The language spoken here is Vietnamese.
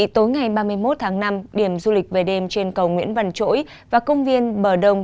tối ngày ba mươi một tháng năm điểm du lịch về đêm trên cầu nguyễn văn chỗi và công viên bờ đông